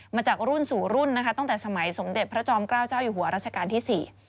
มาจากรุ่นสู่รุ่นนะคะตั้งแต่สมัยสมเด็จพระจอมเกล้าเจ้าอยู่หัวรัชกาลที่๔